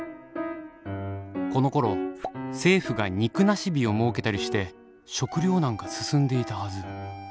このころ政府が「肉なし日」を設けたりして食糧難が進んでいたはず。